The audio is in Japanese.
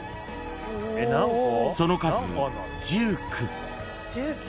［その数１９］